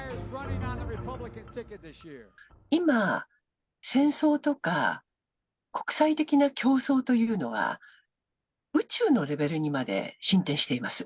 今、戦争とか、国際的な競争というのは、宇宙のレベルにまで進展しています。